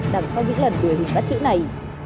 đằng sau những lần đuổi hình bắt chữ này